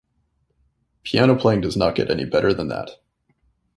Piano playing does not get any better than that.